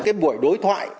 cái buổi đối thoại